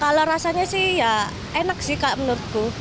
kalau rasanya sih ya enak sih kak menurutku